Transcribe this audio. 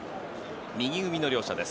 右組みの両者です。